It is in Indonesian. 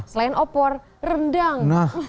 selain opor rendang